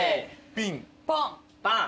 ピンポンパン。